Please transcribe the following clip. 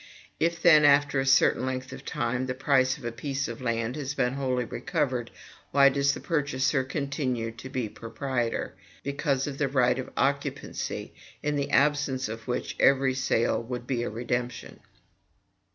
If, then, after a certain length of time, the price of a piece of land has been wholly recovered, why does the purchaser continue to be proprietor? Because of the right of occupancy, in the absence of which every sale would be a redemption.